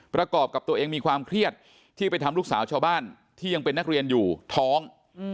ประกอบกับตัวเองมีความเครียดที่ไปทำลูกสาวชาวบ้านที่ยังเป็นนักเรียนอยู่ท้อง